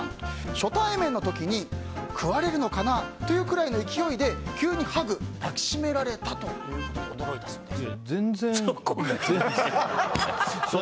初対面の時に食われるのかなというくらいの勢いで急にハグ、抱きしめられたと驚いたそうです。